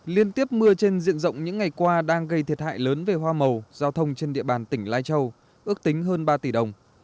liên tiếp mưa trên diện rộng những ngày qua đang gây thiệt hại lớn về hoa màu giao thông trên địa bàn tỉnh lai châu ước tính hơn ba tỷ đồng